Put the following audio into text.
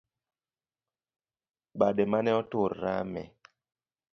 Bade mane otur rame